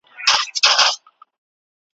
اوس به دي څنګه پر ګودر باندي په غلا ووینم